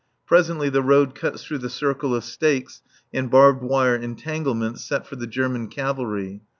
Presently the road cuts through the circle of stakes and barbed wire entanglements set for the German cavalry.